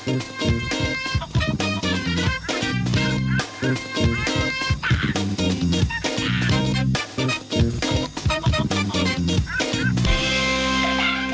โอเคโอเคสวัสดีค่ะ